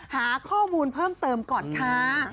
หาข้อมูลเพิ่มเติมก่อนค่ะ